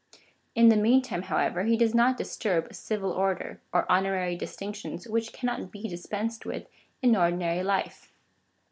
In the meantime, however, he does not disturb civil order or honorary distinctions, which cannot be dispensed with in ordinary life.